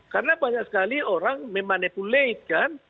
karena banyak sekali orang memanipulatkan